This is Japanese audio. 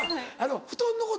布団のこと